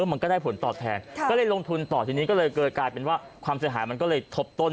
มันก็ได้ผลตอบแทนก็เลยลงทุนต่อทีนี้ก็เลยกลายเป็นว่าความเสียหายมันก็เลยทบต้น